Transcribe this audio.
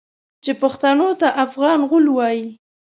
چې پښتنو ته افغان غول وايي.